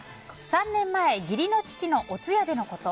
３年前義理の父のお通夜でのこと。